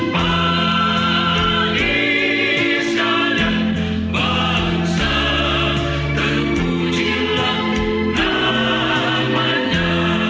pagi sekalian bangsa terpujilah namanya